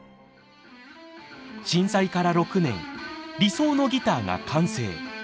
震災から６年理想のギターが完成。